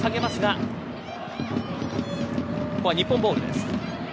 ここは日本ボールです。